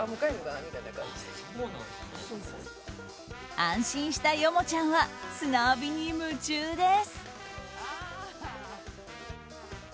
安心したヨモちゃんは砂浴びに夢中です。